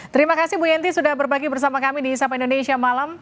terima kasih bu yenti sudah berbagi bersama kami di hisap indonesia malam